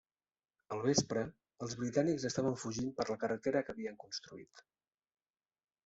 Al vespre, els britànics estaven fugint per la carretera que havien construït.